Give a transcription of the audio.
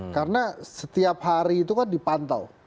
karena setiap hari itu kan dipantau